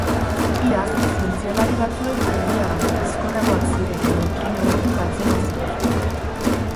Iaz, zientzialari batzuek argia baino bizkorragoak ziren neutrino batzuk atzeman zituzten.